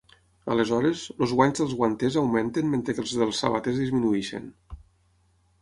Aleshores, els guanys dels guanters augmenten mentre que els dels sabaters disminueixen.